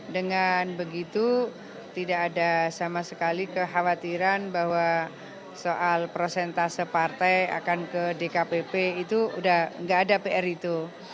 dengan begitu tidak ada sama sekali kekhawatiran bahwa soal prosentase partai akan ke dkpp itu sudah tidak ada pr itu